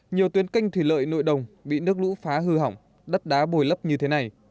nhiều tuyến canh thủy lợi nội đồng bị nước lũ phá hư hỏng đất đá bồi lấp như thế này